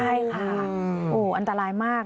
โห๓อันตรายมาก